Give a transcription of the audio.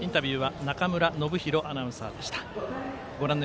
インタビューは中村信博アナウンサーでした。